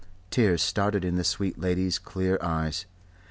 Tears started in the sweet lady's clear eyes.